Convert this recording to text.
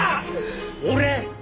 俺！？